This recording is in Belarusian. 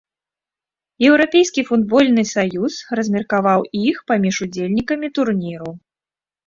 Еўрапейскі футбольны саюз размеркаваў іх паміж удзельнікамі турніру.